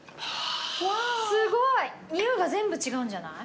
匂いが全部違うんじゃない？